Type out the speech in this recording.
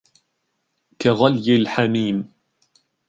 كغلي الحميم